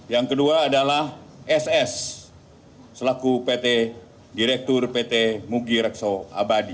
yang kedua adalah ss selaku pt direktur pt mugi rekso abadi